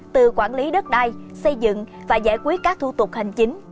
từ quản lý đất đai xây dựng và giải quyết các thủ tục hành chính